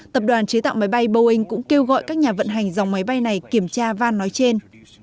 tập đoàn chế tạo máy bay boeing cũng kêu gọi các nhà vận hành dòng máy bay này kiểm tra van nói trên